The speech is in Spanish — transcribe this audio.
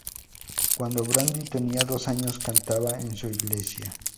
Cuando Brandy tenía dos años cantaba en su iglesia.